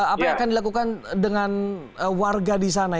apa yang akan dilakukan dengan warga di sana